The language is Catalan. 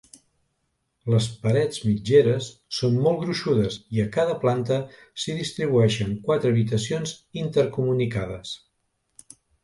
Les parets mitgeres són molt gruixudes i a cada planta s'hi distribueixen quatre habitacions intercomunicades.